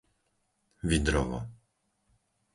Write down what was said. Vydrovo